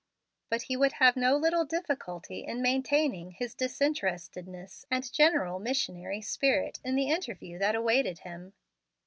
But he would have no little difficulty in maintaining his disinterestedness and general missionary spirit in the interview that awaited him.